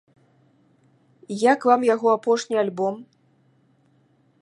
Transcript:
Як вам яго апошні альбом?